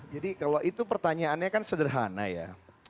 jadi kalau itu pertanyaannya kan sederhana ya